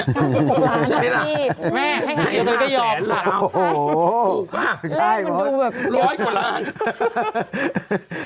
๖ล้านบาทนี่แม่ให้หักเดี๋ยวก็ยอมนะครับโอ้โหถูกป่ะร้อยกว่าล้าน